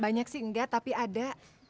banyak sih enggak tapi ada